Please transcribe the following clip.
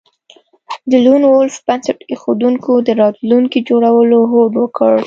د لون وولف بنسټ ایښودونکو د راتلونکي جوړولو هوډ وکړ